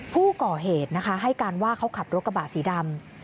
ผู้ก่อเหตุนะคะให้การว่าเขาขับรถกระบะสีดำ